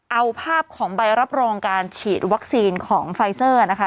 เอาภาพของใบรับรองการฉีดวัคซีนของไฟเซอร์นะคะ